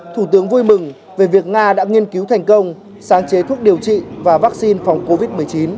thủ tướng vui mừng về việc nga đã nghiên cứu thành công sáng chế thuốc điều trị và vaccine phòng covid một mươi chín